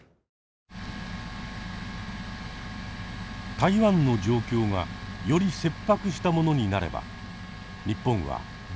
台湾の状況がより切迫したものになれば日本はどう対応するのか。